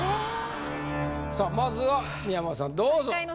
さぁまずは三山さんどうぞ。